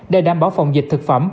để đảm bảo phòng dịch thực phẩm